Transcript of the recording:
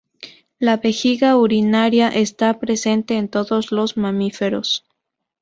La vejiga urinaria está presente en todos los mamíferos.